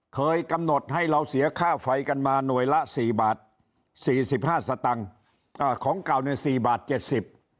เคยกำหนดให้เราเสียค่าไฟกันมาหน่วยละสี่บาทสี่สิบห้าสตังค์อ่าของเก่าในสี่บาทเจ็ดสิบ